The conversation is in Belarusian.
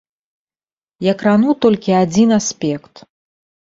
Я крану толькі адзін аспект.